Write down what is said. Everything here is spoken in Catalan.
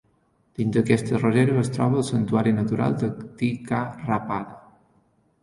Dins d'aquesta reserva es troba el santuari natural de Tikarapada.